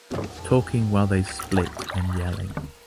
Talking while they split and yelling.